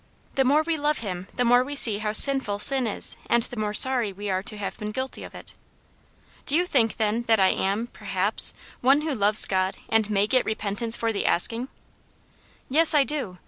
The more we love Him the more we see how sinful sin is, and the more sorry we are to have been guilty of it." " Do you think, then, that I am, perhaps, one who loves God, and may get repentance for the asking ?"" Yes, I do.